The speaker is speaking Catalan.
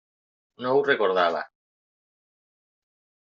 No ho recordava.